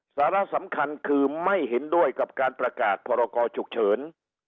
สาระสำคัญคือไม่เห็นด้วยกับการประกาศพรกรฉุกเฉิน